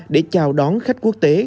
để chào đón khách quốc tế